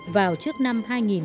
vào trước năm hai nghìn hai mươi năm